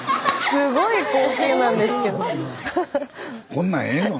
こんなええの？